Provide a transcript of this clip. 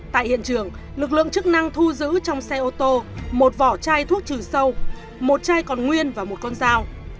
tại hiện trường lực lượng chức năng thu giữ trong xe ô tô một vỏ chai thuốc trừ sâu một chai còn nguyên và một con dao